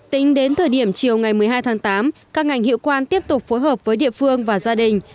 tính đến thời điểm chiều ngày một mươi hai tháng tám các ngành hiệu quan tiếp tục phối hợp với địa phương và gia đình